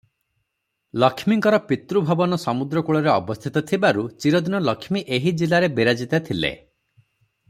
ଲକ୍ଷ୍ମୀଙ୍କର ପିତୃଭବନ ସମୁଦ୍ର କୂଳରେ ଅବସ୍ଥିତ ଥିବାରୁ ଚିରଦିନ ଲକ୍ଷ୍ମୀ ଏହି ଜିଲ୍ଲାରେ ବିରାଜିତା ଥିଲେ ।